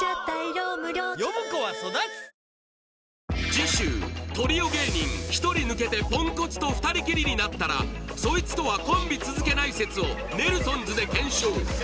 次週トリオ芸人１人抜けてポンコツと２人きりになったらそいつとはコンビ続けない説をネルソンズで検証